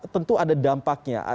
tentu ada dampaknya